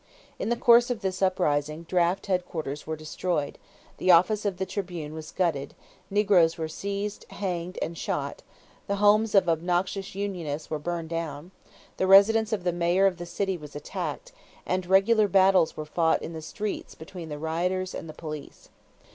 In the course of this uprising, draft headquarters were destroyed; the office of the Tribune was gutted; negroes were seized, hanged, and shot; the homes of obnoxious Unionists were burned down; the residence of the mayor of the city was attacked; and regular battles were fought in the streets between the rioters and the police.